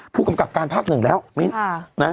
ผู้กำกับการภาพหนึ่งแล้วมีเนี่ยนะ